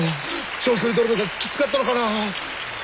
長距離ドライブがキツかったのかな。